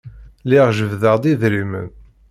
Lliɣ jebbdeɣ-d idrimen.